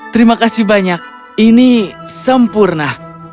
terima kasih banyak ini sempurna